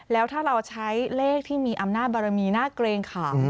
แล้วถ้าเราใช้เลขที่มีอำนาจบารมีน่าเกรงขา